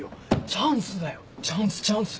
チャンスだよチャンスチャンス。